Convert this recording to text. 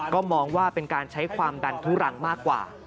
ก็มองว่าเป็นการใช้ความดันทุรังมากกว่า